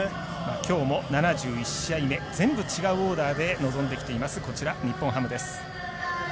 きょうも７１試合目全部違うオーダーで臨んできています日本ハムです。